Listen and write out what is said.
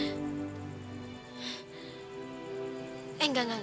senangnya gue berada di sana